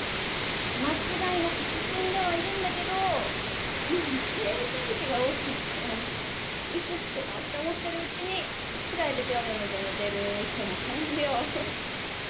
間違いなく進んではいるんだけどもう停車駅が多過ぎていつ着くの？って思ってるうちに疲れて白目むいて寝てるみたいな感じよ。